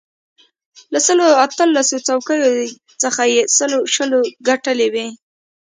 له سلو اتلسو څوکیو څخه یې سلو شلو ګټلې وې.